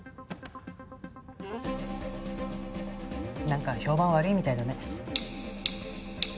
なんか評判悪いみたいだね。